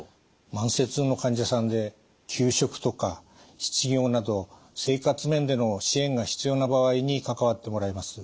慢性痛の患者さんで休職とか失業など生活面での支援が必要な場合に関わってもらいます。